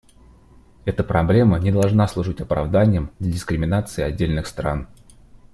Эта проблема не должна служить оправданием для дискриминации отдельных стран.